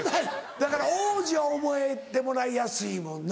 だから央士は覚えてもらいやすいもんな。